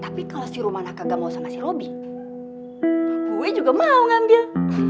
tapi kalau si rumah kagak mau sama si robby gue juga mau ngambil